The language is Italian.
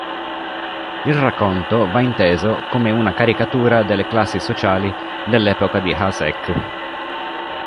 Il racconto va inteso come una caricatura delle classi sociali dell'epoca di Hašek.